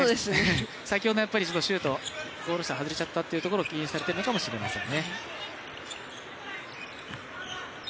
先ほどのシュート、ゴール下外れちゃったというところを気にしてるのかもしれませんね。